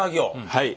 はい。